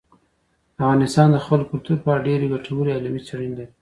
افغانستان د خپل کلتور په اړه ډېرې ګټورې او علمي څېړنې لري.